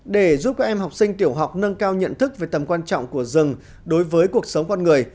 để giúp các em học sinh tiểu học nâng cao nhận thức về tầm quan trọng của rừng đối với cuộc sống con người